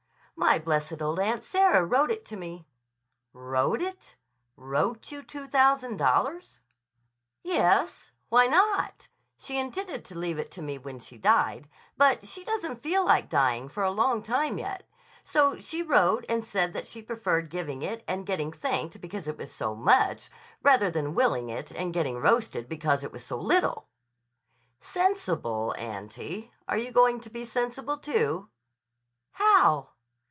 "My blessed old Aunt Sarah wrote it to me." "Wrote it? Wrote you two thousand dollars?" "Yes. Why not? She'd intended to leave it to me when she died. But she doesn't feel like dying for a long time yet; so she wrote and said that she preferred giving it and getting thanked because it was so much, rather than willing it and getting roasted because it was so little." "Sensible auntie! Are you going to be sensible too?" "How?"